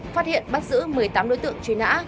phát hiện bắt giữ một mươi tám đối tượng truy nã